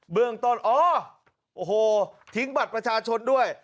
เรื่องต้นอ๋อโอ้โหทิ้งบัตรประชาชนด้วย